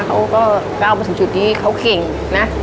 เขาก็เอาไปสู่จุดที่เขาเก่งนะ